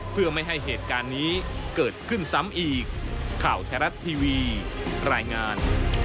เพื่อไม่ให้เหตุการณ์นี้เกิดขึ้นซ้ำอีกข่าวไทยรัฐทีวีรายงาน